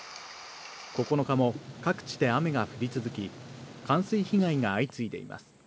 ９日も各地で雨が降り続き、冠水被害が相次いでいます。